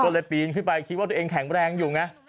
ก็เลยปีนขึ้นไปคิดว่าตัวเองแข็งแรงอยู่ไง